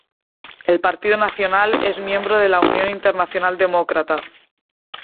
El Partido Nacional es miembro de la Unión Internacional Demócrata